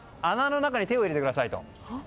中に手を入れてくださいと。